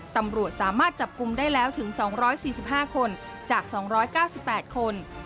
ตำรวจสามารถจับกลุ่มได้แล้วถึง๒๔๕คนจาก๒๙๘คน